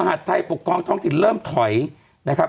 หาดไทยปกครองท้องถิ่นเริ่มถอยนะครับ